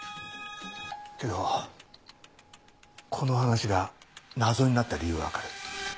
けどこの話が謎になった理由は分かる。